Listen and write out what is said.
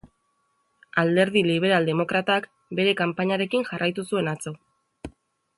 Alderdi liberal-demokratak bere kanpainarekin jarraitu zuen atzo.